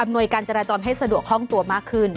อำนวยการจราจอมให้สะดวกฮ่องตัวมากขึ้น